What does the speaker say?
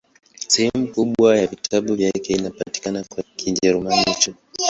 Sehemu kubwa ya vitabu vyake inapatikana kwa Kijerumani tu.